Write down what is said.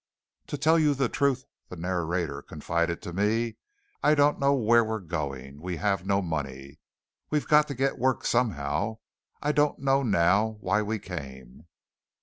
"To tell you the truth," the narrator confided to me, "I don't know where we're going. We have no money. We've got to get work somehow. I don't know now why we came."